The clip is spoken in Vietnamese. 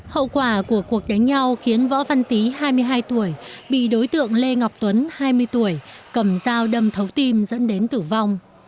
hậu quả của cuộc đánh nhau khiến võ văn tý hai mươi hai tuổi bị đối tượng lê ngọc tuấn hai mươi tuổi cầm dao đâm thấu tim dẫn đến tử vong